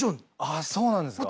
あっそうなんですか。